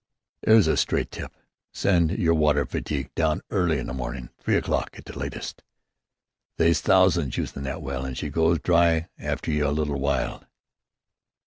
"'Ere's a straight tip! Send yer water fatigue down early in the mornin': three o'clock at the latest. They's thousands usin' that well an' she goes dry arter a little w'ile."